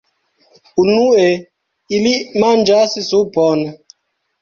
Unue ili manĝas supon.